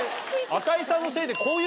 赤井さんのせいで。